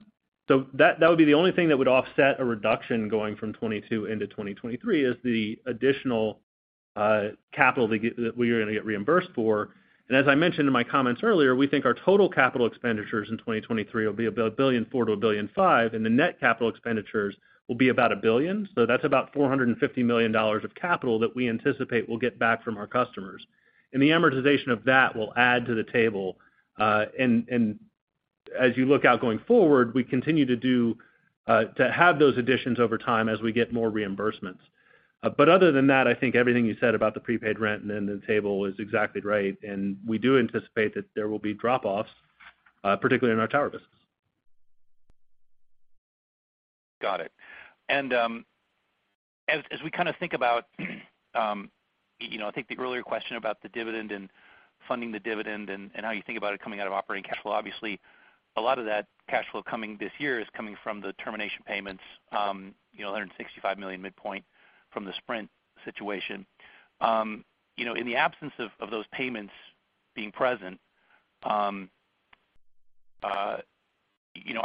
would be the only thing that would offset a reduction going from 2022 into 2023 is the additional capital that we're gonna get reimbursed for. As I mentioned in my comments earlier, we think our total capital expenditures in 2023 will be about $1.4 billion-$1.5 billion, and the net capital expenditures will be about $1 billion. That's about $450 million of capital that we anticipate we'll get back from our customers. The amortization of that will add to the table. As you look out going forward, we continue to have those additions over time as we get more reimbursements. Other than that, I think everything you said about the prepaid rent and then the table is exactly right. We do anticipate that there will be drop-offs, particularly in our tower business. Got it. As we kind of think about, you know, I think the earlier question about the dividend and funding the dividend and how you think about it coming out of operating cash flow, obviously a lot of that cash flow coming this year is coming from the termination payments, you know, $165 million midpoint from the Sprint situation. You know, in the absence of those payments being present, you know,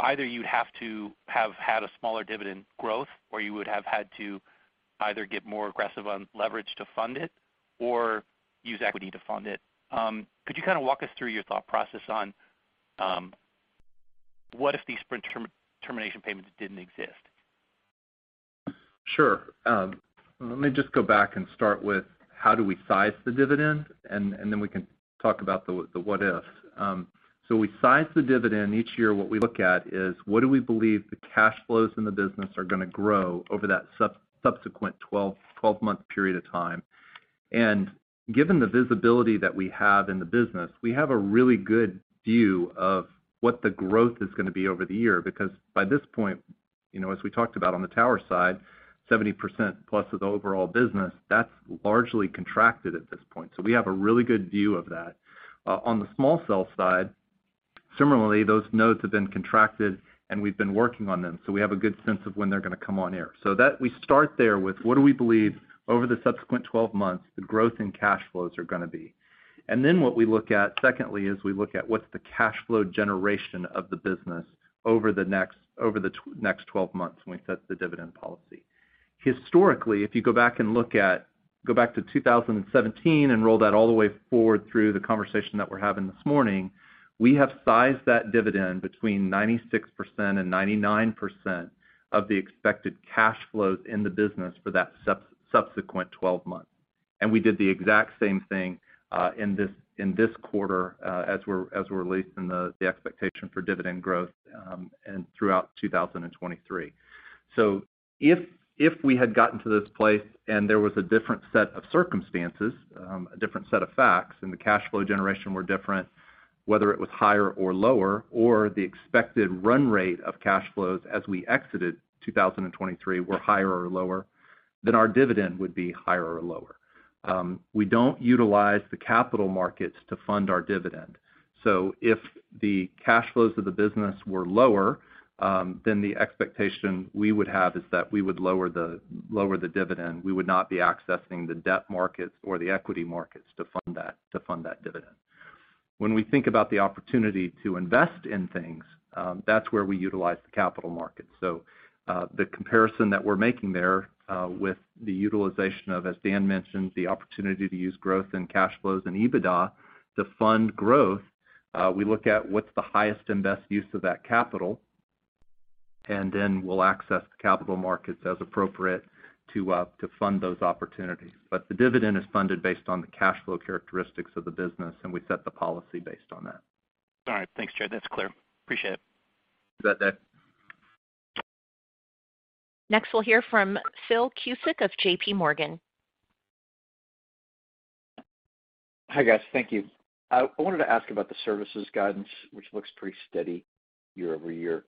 either you have to have had a smaller dividend growth or you would have had to either get more aggressive on leverage to fund it or use equity to fund it. Could you kind of walk us through your thought process on what if these Sprint termination payments didn't exist? Sure. Let me just go back and start with how do we size the dividend, and then we can talk about the what-ifs. We size the dividend. Each year, what we look at is what do we believe the cash flows in the business are gonna grow over that subsequent twelve-month period of time. Given the visibility that we have in the business, we have a really good view of what the growth is gonna be over the year, because by this point, you know, as we talked about on the tower side, 70%+ of the overall business, that's largely contracted at this point. We have a really good view of that. On the small cell side, similarly, those nodes have been contracted and we've been working on them, so we have a good sense of when they're gonna come on air. We start there with what do we believe over the subsequent twelve months, the growth in cash flows are gonna be. What we look at secondly, is we look at what's the cash flow generation of the business over the next, over the next twelve months when we set the dividend policy. Historically, if you go back to 2017 and roll that all the way forward through the conversation that we're having this morning, we have sized that dividend between 96% and 99% of the expected cash flows in the business for that subsequent 12-months. We did the exact same thing in this quarter as we're releasing the expectation for dividend growth and throughout 2023. If we had gotten to this place and there was a different set of circumstances, a different set of facts, and the cash flow generation were different, whether it was higher or lower, or the expected run rate of cash flows as we exited 2023 were higher or lower, then our dividend would be higher or lower. We don't utilize the capital markets to fund our dividend. If the cash flows of the business were lower, then the expectation we would have is that we would lower the dividend. We would not be accessing the debt markets or the equity markets to fund that dividend. When we think about the opportunity to invest in things, that's where we utilize the capital markets. The comparison that we're making there, with the utilization of, as Dan mentioned, the opportunity to use growth in cash flows and EBITDA to fund growth, we look at what's the highest and best use of that capital, and then we'll access the capital markets as appropriate to fund those opportunities. The dividend is funded based on the cash flow characteristics of the business, and we set the policy based on that. All right. Thanks, Jay Brown. That's clear. Appreciate it. You bet, Dave. Next, we'll hear from Philip Cusick of J.P. Morgan. Hi, guys. Thank you. I wanted to ask about the services guidance, which looks pretty steady year-over-year.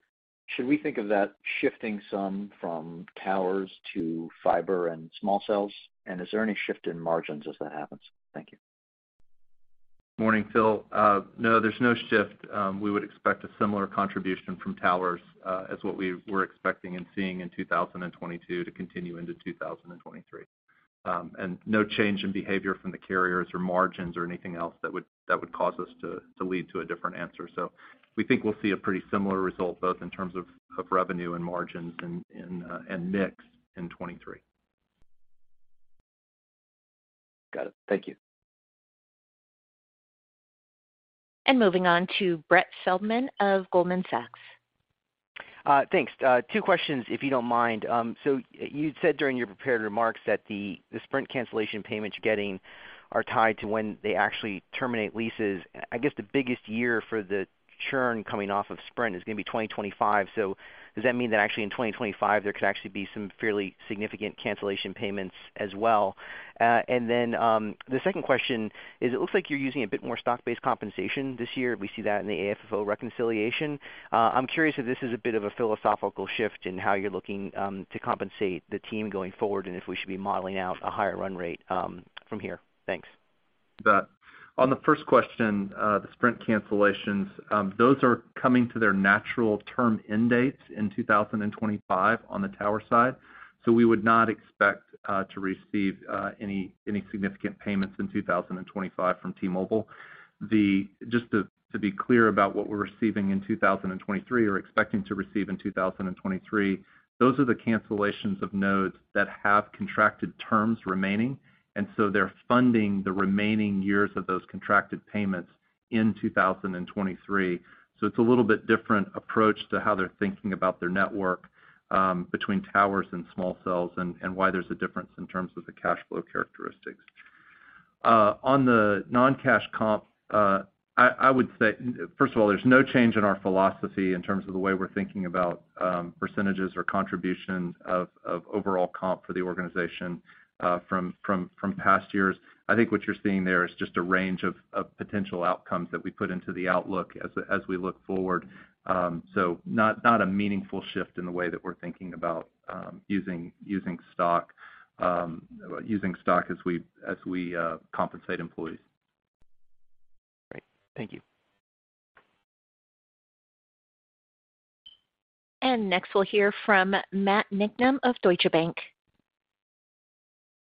Should we think of that shifting some from towers to fiber and small cells? Is there any shift in margins as that happens? Thank you. Morning, Phil. No, there's no shift. We would expect a similar contribution from towers as what we were expecting and seeing in 2022 to continue into 2023. No change in behavior from the carriers or margins or anything else that would cause us to lead to a different answer. We think we'll see a pretty similar result, both in terms of revenue and margins and mix in 2023. Got it. Thank you. Moving on to Brett Feldman of Goldman Sachs. Thanks. Two questions, if you don't mind. You'd said during your prepared remarks that the Sprint cancellation payments you're getting are tied to when they actually terminate leases. I guess the biggest year for the churn coming off of Sprint is gonna be 2025. Does that mean that actually in 2025, there could actually be some fairly significant cancellation payments as well? The second question is, it looks like you're using a bit more stock-based compensation this year. We see that in the AFFO reconciliation. I'm curious if this is a bit of a philosophical shift in how you're looking to compensate the team going forward and if we should be modeling out a higher run rate from here. Thanks. You bet. On the first question, the Sprint cancellations, those are coming to their natural term end dates in 2025 on the tower side. We would not expect to receive any significant payments in 2025 from T-Mobile. Just to be clear about what we're receiving in 2023 or expecting to receive in 2023, those are the cancellations of nodes that have contracted terms remaining, and so they're funding the remaining years of those contracted payments in 2023. It's a little bit different approach to how they're thinking about their network, between towers and small cells and why there's a difference in terms of the cash flow characteristics. On the non-cash comp, I would say. First of all, there's no change in our philosophy in terms of the way we're thinking about percentages or contributions of overall comp for the organization from past years. I think what you're seeing there is just a range of potential outcomes that we put into the outlook as we look forward. So not a meaningful shift in the way that we're thinking about using stock as we compensate employees. Great. Thank you. Next, we'll hear from Matthew Niknam of Deutsche Bank.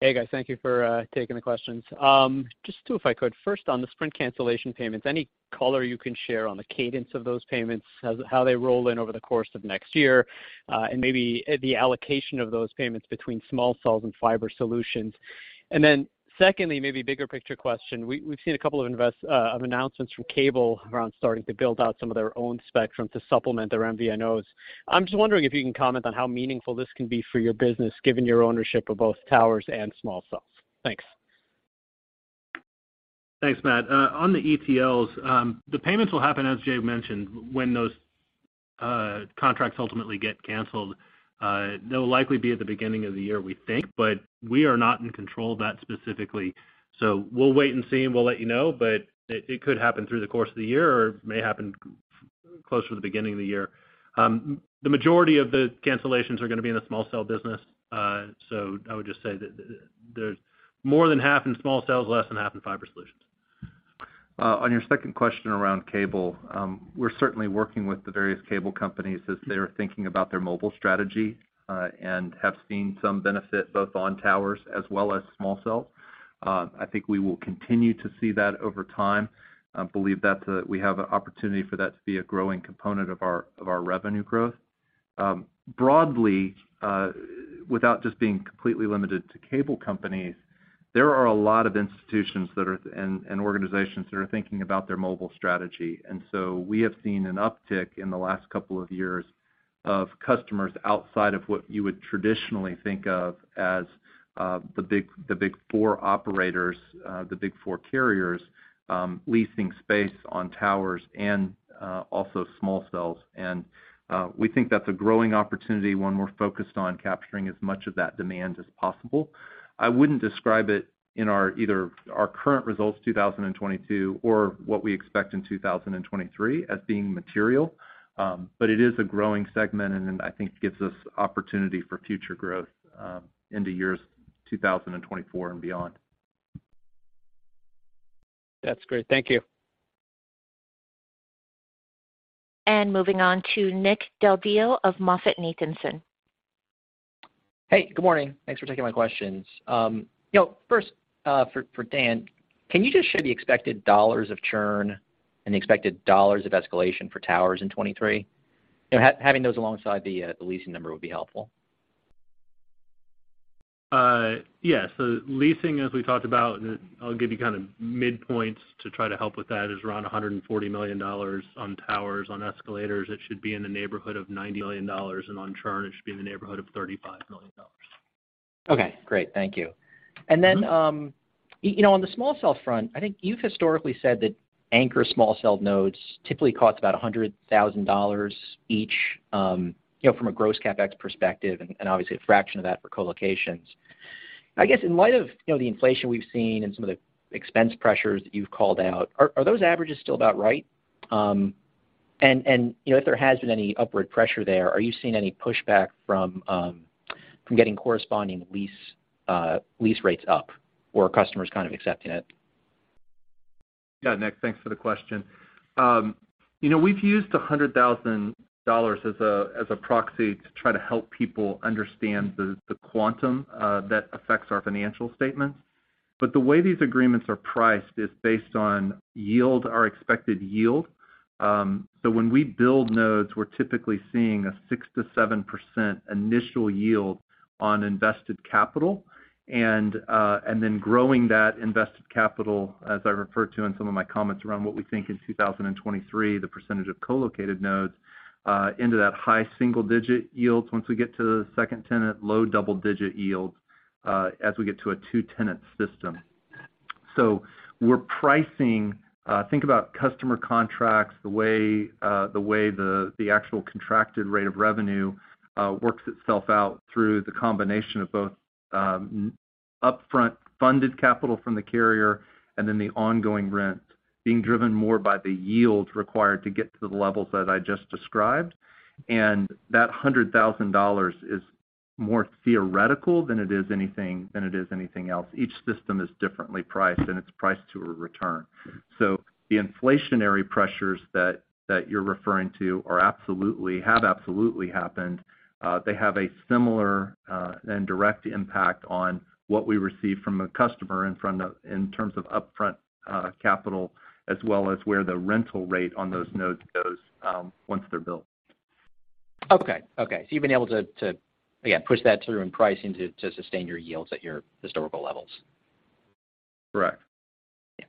Hey, guys. Thank you for taking the questions. Just two, if I could. First, on the Sprint cancellation payments, any color you can share on the cadence of those payments, how they roll in over the course of next year, and maybe the allocation of those payments between small cells and fiber solutions. Secondly, maybe bigger picture question, we've seen a couple of announcements from Cable around starting to build out some of their own spectrum to supplement their MVNOs. I'm just wondering if you can comment on how meaningful this can be for your business, given your ownership of both towers and small cells. Thanks. Thanks, Matt. On the ETLs, the payments will happen, as Jay mentioned, when those contracts ultimately get canceled. They'll likely be at the beginning of the year, we think, but we are not in control of that specifically. We'll wait and see, and we'll let you know. It could happen through the course of the year or may happen closer to the beginning of the year. The majority of the cancellations are gonna be in the small cells business. So I would just say that there's more than half in small cells, less than half in fiber solutions. On your second question around cable, we're certainly working with the various cable companies as they are thinking about their mobile strategy, and have seen some benefit both on towers as well as small cells. I think we will continue to see that over time. I believe we have an opportunity for that to be a growing component of our revenue growth. Broadly, without just being completely limited to Cable companies, there are a lot of institutions and organizations that are thinking about their mobile strategy. We have seen an uptick in the last couple of years of customers outside of what you would traditionally think of as the big four operators, the big four carriers, leasing space on towers and also small cells. We think that's a growing opportunity, one we're focused on capturing as much of that demand as possible. I wouldn't describe either our current results, 2022, or what we expect in 2023 as being material, but it is a growing segment, and then I think gives us opportunity for future growth, into years 2024 and beyond. That's great. Thank you. Moving on to Nick Del Deo of MoffettNathanson. Hey, good morning. Thanks for taking my questions. You know, first, for Dan, can you just share the expected dollars of churn and the expected dollars of escalation for towers in 2023? You know, having those alongside the leasing number would be helpful. Leasing, as we talked about, I'll give you kinda midpoints to try to help with that, is around $140 million on towers. On escalations, it should be in the neighborhood of $90 million. On churn, it should be in the neighborhood of $35 million. Okay, great. Thank you. Mm-hmm. Then, you know, on the small cell front, I think you've historically said that anchor small cell nodes typically cost about $100,000 each, you know, from a gross CapEx perspective, and obviously a fraction of that for co-locations. I guess in light of, you know, the inflation we've seen and some of the expense pressures that you've called out, are those averages still about right? And, you know, if there has been any upward pressure there, are you seeing any pushback from getting corresponding lease rates up, or are customers kind of accepting it? Yeah, Nick, thanks for the question. You know, we've used $100,000 as a proxy to try to help people understand the quantum that affects our financial statements. The way these agreements are priced is based on yield or expected yield. When we build nodes, we're typically seeing a 6%-7% initial yield on invested capital, and then growing that invested capital, as I referred to in some of my comments around what we think in 2023, the percentage of co-located nodes into that high single-digit yields once we get to the second tenant, low double-digit yields as we get to a two-tenant system. We're pricing, think about customer contracts, the way the actual contracted rate of revenue works itself out through the combination of both, upfront funded capital from the carrier and then the ongoing rent. Being driven more by the yields required to get to the levels that I just described. That $100,000 is more theoretical than it is anything else. Each system is differently priced, and it's priced to a return. The inflationary pressures that you're referring to are absolutely, have absolutely happened. They have a similar and direct impact on what we receive from a customer in terms of upfront capital, as well as where the rental rate on those nodes goes once they're built. Okay. Okay. You've been able to, yeah, push that through in pricing to sustain your yields at your historical levels? Correct. Yeah.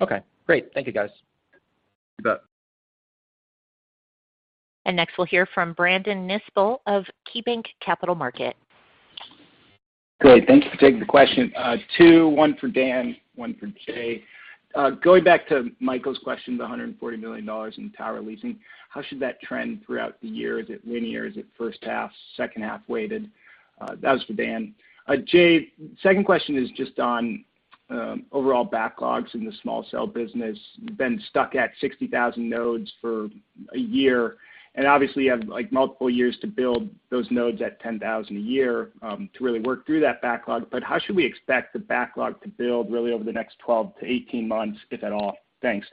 Okay, great. Thank you, guys. You bet. Next, we'll hear from Brandon Nispel of KeyBanc Capital Markets. Great. Thank you for taking the question. Two, one for Dan, one for Jay. Going back to Michael's question, the $140 million in tower leasing, how should that trend throughout the year? Is it linear? Is it first half, second half weighted? That was for Dan. Jay, second question is just on overall backlogs in the small cell business. You've been stuck at 60,000 nodes for a year, and obviously you have, like, multiple years to build those nodes at 10,000 a year, to really work through that backlog. But how should we expect the backlog to build really over the next 12 months-18 months, if at all? Thanks.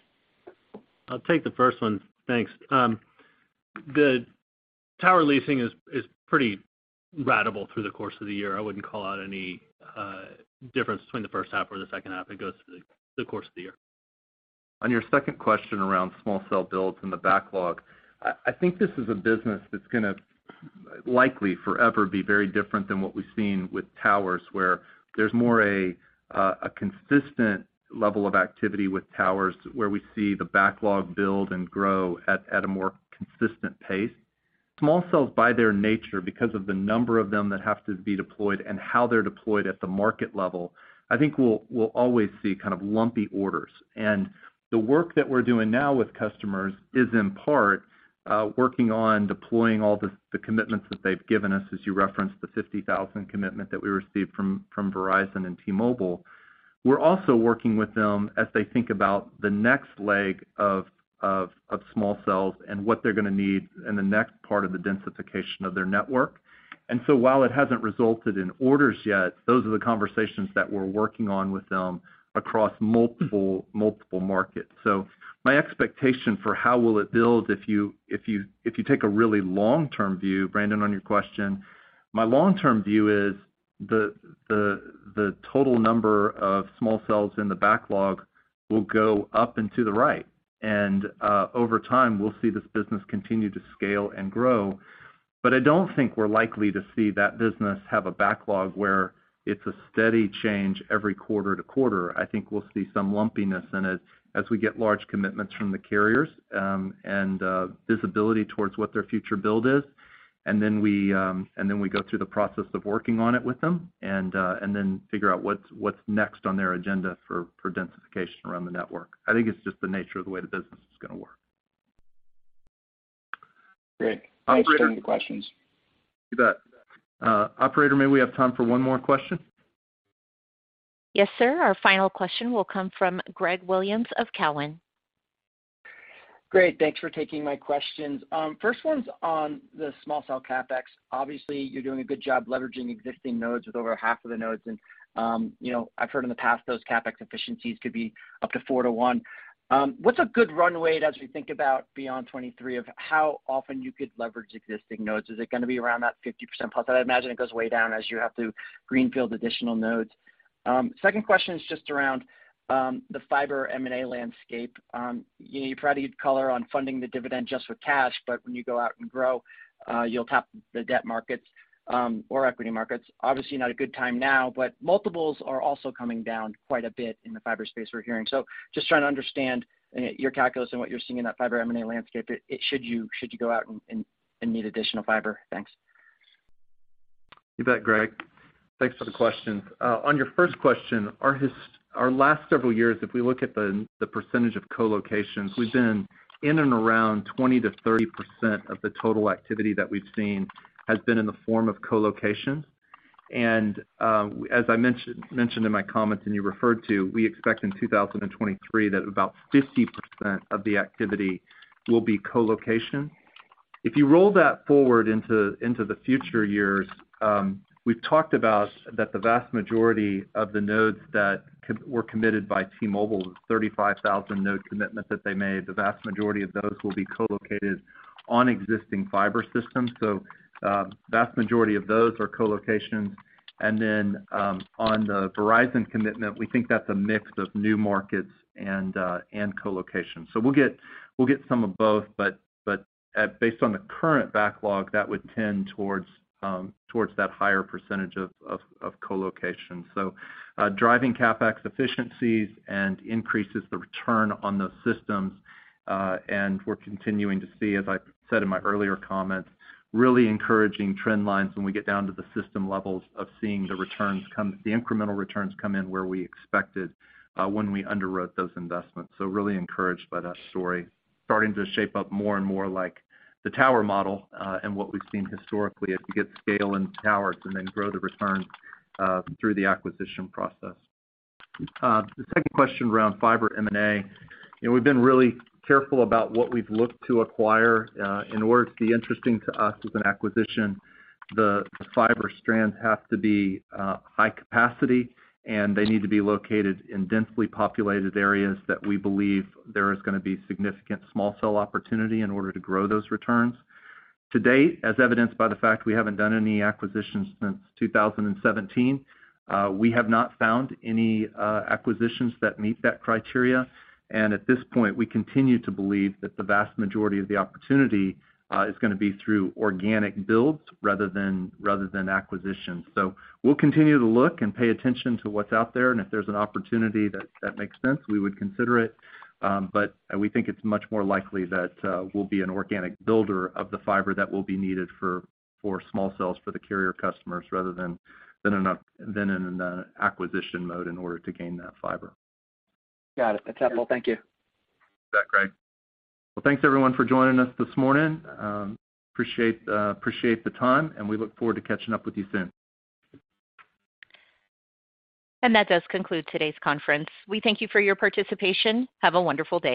I'll take the first one. Thanks. The tower leasing is pretty ratable through the course of the year. I wouldn't call out any difference between the first half or the second half. It goes through the course of the year. On your second question around small cell builds and the backlog, I think this is a business that's gonna likely forever be very different than what we've seen with towers, where there's more a consistent level of activity with towers, where we see the backlog build and grow at a more consistent pace. Small cells by their nature because of the number of them that have to be deployed and how they're deployed at the market level, I think we'll always see kind of lumpy orders. The work that we're doing now with customers is in part working on deploying all the commitments that they've given us, as you referenced the 50,000 commitment that we received from Verizon and T-Mobile. We're also working with them as they think about the next leg of small cells and what they're gonna need in the next part of the densification of their network. While it hasn't resulted in orders yet, those are the conversations that we're working on with them across multiple markets. My expectation for how will it build, if you take a really long-term view, Brandon, on your question, my long-term view is the total number of small cells in the backlog will go up and to the right. Over time, we'll see this business continue to scale and grow. I don't think we're likely to see that business have a backlog where it's a steady change every quarter to quarter. I think we'll see some lumpiness in it as we get large commitments from the carriers, and visibility towards what their future build is. Then we go through the process of working on it with them, and then figure out what's next on their agenda for densification around the network. I think it's just the nature of the way the business is gonna work. Great. Operator- Thanks for taking the questions. You bet. Operator, may we have time for one more question? Yes, sir. Our final question will come from Gregory Williams of Cowen. Great. Thanks for taking my questions. First one's on the small cell CapEx. Obviously, you're doing a good job leveraging existing nodes with over half of the nodes. You know, I've heard in the past those CapEx efficiencies could be up to 4-1. What's a good runway as we think about beyond 2023 of how often you could leverage existing nodes? Is it gonna be around that 50%+? I'd imagine it goes way down as you have to greenfield additional nodes. Second question is just around the fiber M&A landscape. You know, provide color on funding the dividend just with cash, but when you go out and grow, you'll tap the debt markets or equity markets. Obviously, not a good time now, but multiples are also coming down quite a bit in the fiber space we're hearing. Just trying to understand, you know, your calculus and what you're seeing in that fiber M&A landscape if you should go out and need additional fiber. Thanks. You bet, Greg. Thanks for the questions. On your first question, our last several years, if we look at the percentage of co-locations, we've been in and around 20%-30% of the total activity that we've seen has been in the form of co-location. As I mentioned in my comments and you referred to, we expect in 2023 that about 50% of the activity will be co-location. If you roll that forward into the future years, we've talked about that the vast majority of the nodes that were committed by T-Mobile, the 35,000 node commitment that they made, the vast majority of those will be co-located on existing fiber systems. Vast majority of those are co-location. on the Verizon commitment, we think that's a mix of new markets and co-location. We'll get some of both, but based on the current backlog, that would tend towards that higher percentage of co-location. Driving CapEx efficiencies and increases the return on those systems. We're continuing to see, as I said in my earlier comments, really encouraging trend lines when we get down to the system levels of seeing the incremental returns come in where we expected, when we underwrote those investments. Really encouraged by that story. Starting to shape up more and more like the tower model and what we've seen historically, as you get scale in towers and then grow the returns through the acquisition process. The second question around fiber M&A, you know, we've been really careful about what we've looked to acquire. In order to be interesting to us as an acquisition, the fiber strands have to be high capacity, and they need to be located in densely populated areas that we believe there is gonna be significant small cell opportunity in order to grow those returns. To date, as evidenced by the fact we haven't done any acquisitions since 2017, we have not found any acquisitions that meet that criteria. At this point, we continue to believe that the vast majority of the opportunity is gonna be through organic builds rather than acquisitions. We'll continue to look and pay attention to what's out there, and if there's an opportunity that makes sense, we would consider it. We think it's much more likely that we'll be an organic builder of the fiber that will be needed for small cells for the carrier customers rather than in an acquisition mode in order to gain that fiber. Got it. That's helpful. Thank you. You bet, Greg. Well, thanks everyone for joining us this morning. Appreciate the time, and we look forward to catching up with you soon. That does conclude today's conference. We thank you for your participation. Have a wonderful day.